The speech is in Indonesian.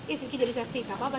eh vicky jadi saksi gak apa apa